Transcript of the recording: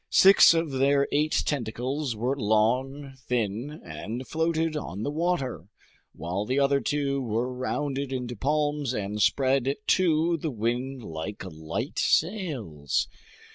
Six of their eight tentacles were long, thin, and floated on the water, while the other two were rounded into palms and spread to the wind like light sails.